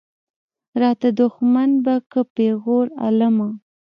راته دښمن به کا پېغور عالمه.